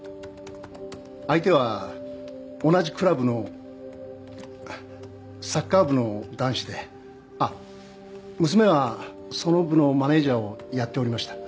相手は同じクラブのサッカー部の男子であっ娘はその部のマネージャーをやっておりました